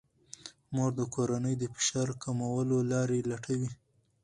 مور د کورنۍ د فشار کمولو لارې لټوي.